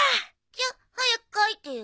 じゃ早く描いてよ。